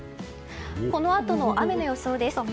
このあとの雨の予想です。